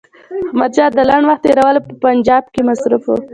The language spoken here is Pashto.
احمدشاه د لنډ وخت تېرولو په پنجاب کې مصروف وو.